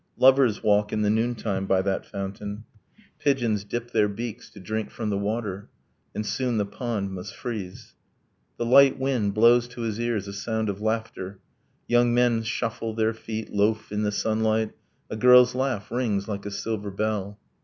Lovers walk in the noontime by that fountain. Pigeons dip their beaks to drink from the water. And soon the pond must freeze. The light wind blows to his ears a sound of laughter, Young men shuffle their feet, loaf in the sunlight; A girl's laugh rings like a silver bell.